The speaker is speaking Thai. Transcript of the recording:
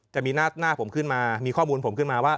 จะมีหน้าผมขึ้นมามีข้อมูลผมขึ้นมาว่า